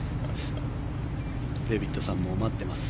デービッドさんも待っています。